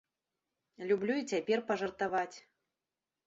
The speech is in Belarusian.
Люблю і цяпер пажартаваць.